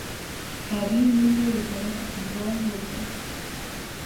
پری میز را به طرف دیوار هل داد.